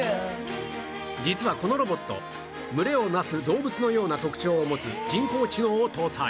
実はこのロボット群れをなす動物のような特徴を持つ人工知能を搭載